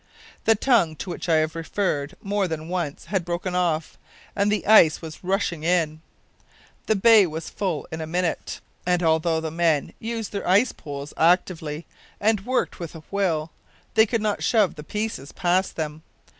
The tongue to which I have referred more than once had broken off, and the ice was rushing in. The bay was full in a minute, and although the men used their ice poles actively, and worked with a will, they could not shove the pieces past them.